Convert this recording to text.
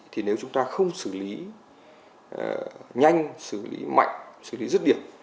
thì nếu chúng ta không xử lý nhanh xử lý mạnh xử lý rứt điểm